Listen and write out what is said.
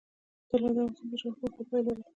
طلا د افغانستان د جغرافیایي موقیعت پایله ده.